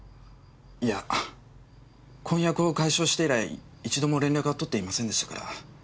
いや婚約を解消して以来一度も連絡は取っていませんでしたから。